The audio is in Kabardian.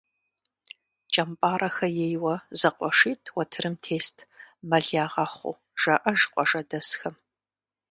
КӀэмпӀарэхэ ейуэ зэкъуэшитӀ уэтэрым тест, мэл ягъэхъуу, жаӀэж къуажэдэсхэм.